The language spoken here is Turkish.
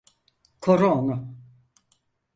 Koru onu.